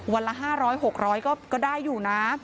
วันละ๕๐๐๖๐๐ก็ได้อยู่นะ